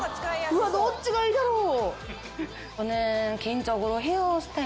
うわっどっちがいいだろう。